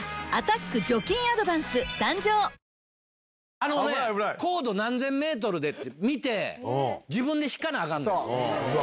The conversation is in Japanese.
あのね、高度何千メートルでって見て、自分で引かなあかんねん。